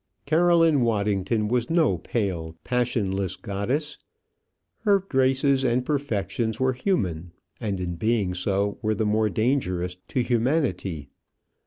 Caroline Waddington was no pale, passionless goddess; her graces and perfections were human, and in being so were the more dangerous to humanity.